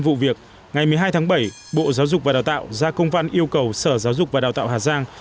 vụ việc ngày một mươi hai tháng bảy bộ giáo dục và đào tạo ra công văn yêu cầu sở giáo dục và đào tạo hà giang